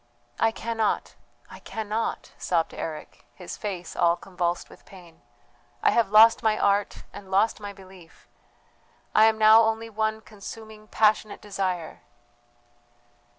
"I cannot, I cannot," sobbed Eric, his face all convulsed with pain; "I have lost my art and lost my belief. I am now only one consuming passionate desire."